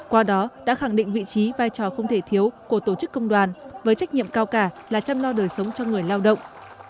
qua đó đã khẳng định vị trí vai trò không thể thiếu của tổ chức công đoàn với trách nhiệm cao cả là chăm lo đời sống cho người lao động